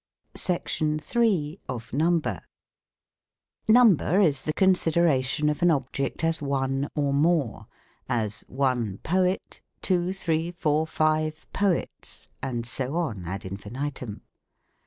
SECTION III. OF NUMBER. Number is the consideration of an object as one or more ; as, one poet, two, three, four, five poets ; and so on, ad infinitum.